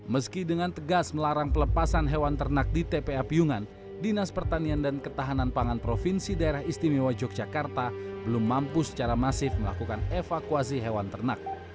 meski dengan tegas melarang pelepasan hewan ternak di tpa piyungan dinas pertanian dan ketahanan pangan provinsi daerah istimewa yogyakarta belum mampu secara masif melakukan evakuasi hewan ternak